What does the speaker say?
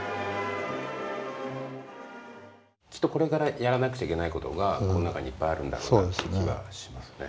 きっとこれからやらなくちゃいけない事がこの中にいっぱいあるんだろうなという気はしますね。